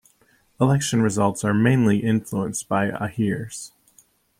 Election results are mainly influenced by Ahirs.